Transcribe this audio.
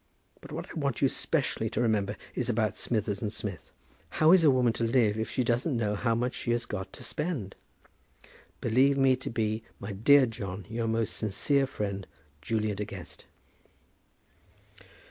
But what I want you specially to remember is about Smithers and Smith. How is a woman to live if she doesn't know how much she has got to spend? Believe me to be, my dear John, Your most sincere friend, JULIA DE GUEST.